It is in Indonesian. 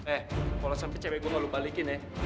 eh kalau sampai cewek gue gak lu balikin ya